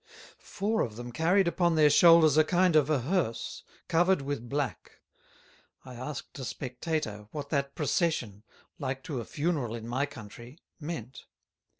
Four of them carried upon their Shoulders a kind of a Herse, covered with Black: I asked a Spectator, what that Procession, like to a Funeral in my Country, meant?